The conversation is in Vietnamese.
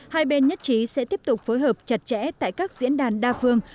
hai bên nhất trí sẽ tiếp tục phối hợp chặt chẽ tại các diễn đàn đa phương